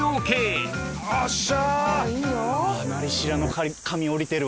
おっしゃ！